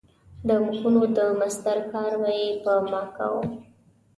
د مخونو د مسطر کار به یې په ما کاوه.